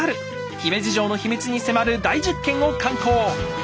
姫路城の秘密に迫る大実験を敢行！